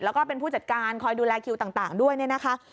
แล้วก็เป็นผู้จัดการคอยดูแลคิวต่างด้วยเนี่ยนะคะ